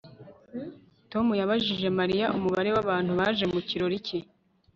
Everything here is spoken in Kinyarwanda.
tom yabajije mariya umubare w'abantu baje mu kirori cye